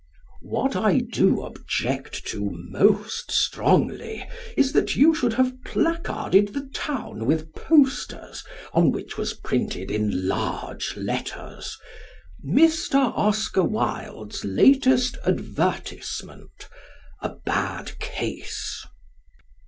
What I do object to most strongly is that you should have placarded the town with posters on which was printed in large letters: MR. OSCAR WILDE'S LATEST ADVERTISEMENT: A BAD CASE.